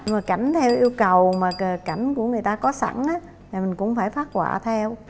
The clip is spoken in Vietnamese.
nhưng mà cảnh theo yêu cầu mà cảnh của người ta có sẵn á thì mình cũng phải phát quả theo